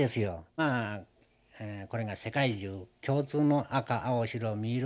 まあこれが世界中共通の赤青白三色。